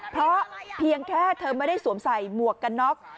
เพราะเพียงแค่เธอไม่ได้สวมใส่หมวกกันน็อก